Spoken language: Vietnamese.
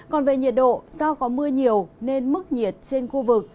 còn về nhiệt độ do có mưa nhiều nên mức nhiệt trên khu vực